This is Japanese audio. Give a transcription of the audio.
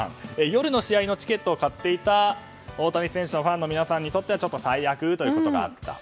夜の試合のチケットを買っていた大谷選手のファンの皆さんにとってはちょっと最悪ということがあった。